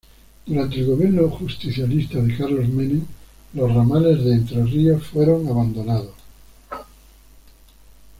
Durante el gobierno justicialista de Carlos Menem, los ramales de Entre Ríos fueron abandonados.